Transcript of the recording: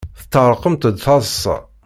Teṭṭerḍqemt d taḍsa.